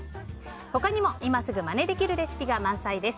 他にも今すぐまねできるレシピが満載です。